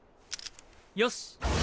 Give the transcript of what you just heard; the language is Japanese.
よし！